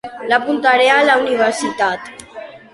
L'apuntaré a la universitat.